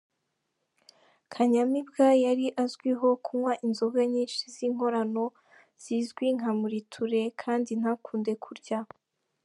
Kanyamibwa yari azwiho kunywa inzoga nyinshi z’inkorano zizwi nka Muriture kandi ntakunde kurya.